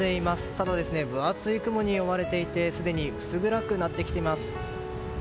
ただ、分厚い雲に覆われていてすでに薄暗くなってきています。